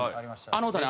あの歌ね